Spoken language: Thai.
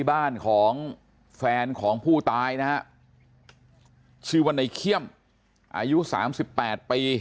แล้วก็ยัดลงถังสีฟ้าขนาด๒๐๐ลิตร